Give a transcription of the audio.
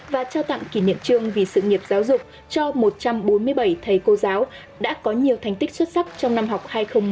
và trao tặng kỷ niệm trường vì sự nghiệp giáo dục cho một trăm bốn mươi bảy thầy cô giáo đã có nhiều thành tích xuất sắc trong năm học hai nghìn một mươi bảy hai nghìn một mươi tám